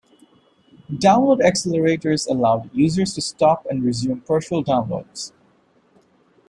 Download accelerators allowed users to stop and resume partial downloads.